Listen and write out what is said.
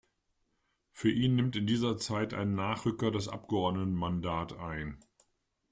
Für ihn nimmt in dieser Zeit ein Nachrücker das Abgeordnetenmandat ein.